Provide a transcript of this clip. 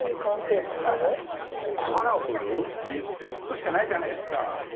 １個しかないじゃないですか。